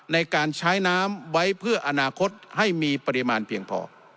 ในการใช้น้ำไว้เพื่ออนาคตให้มีปริมาณเพียงพอ